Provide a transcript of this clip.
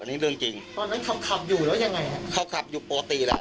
ฮ่อยตรงข้าจกเลย